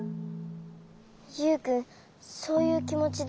ユウくんそういうきもちでいたんだ。